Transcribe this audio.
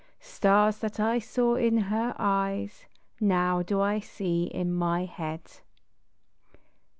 1 Stars that I saw in her eyes Now do I see in my head